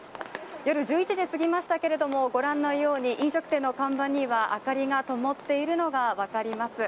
夜１１時すぎましたけどごらんのように飲食店の看板には明かりがともっているのが分かります。